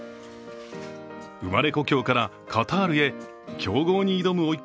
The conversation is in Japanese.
生まれ故郷からカタールへ、強豪に挑むおい